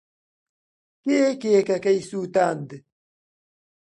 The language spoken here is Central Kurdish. کێ کێکەکەی سووتاند؟